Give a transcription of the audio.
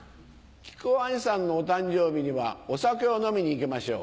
木久扇兄さんのお誕生日にはお酒を飲みに行きましょう。